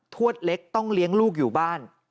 ทวดเล็กต้องเลี้ยงลูกอยู่บ้าน